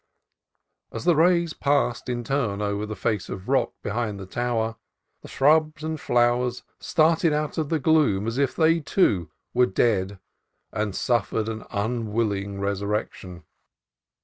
As the rays passed in turn over the face of rock behind the tower, the shrubs and flowers started out of the gloom as if they, too, were dead and suffered an unwilling resurrection.